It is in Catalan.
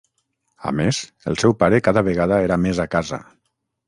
A més, el seu pare cada vegada era més a casa.